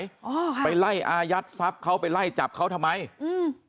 อ๋อค่ะไปไล่อายัดทรัพย์เขาไปไล่จับเขาทำไมอืม